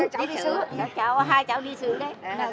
cháu đi xứ hai cháu đi xứ đấy